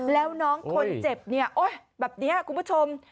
แล้วน้องคนเจ็บเนี่ยโอ๊ยแบบนี้คุณผู้ชม